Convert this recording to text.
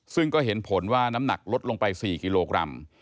ซึ่งก็เห็นผลว่าน้ำหนักลดลงไป๔กิโลกรัม